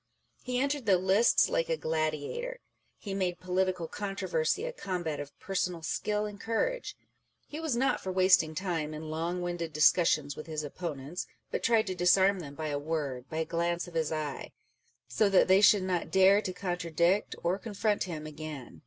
He entered the lists like a gladiator. He made political controversy a combat of personal skill and courage. He was not for wasting time in long winded discussions with his oppo nents, but tried to disarm them by a word, by a glance of his eye, so that they should not dare to contradict or con front him again.